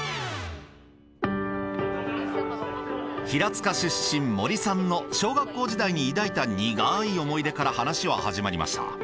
平塚出身森さんの小学校時代に抱いた苦い思い出から話は始まりました。